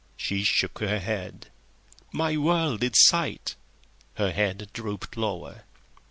She shook her head. "My world is sight." Her head drooped lower.